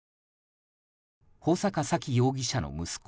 穂坂沙喜容疑者の息子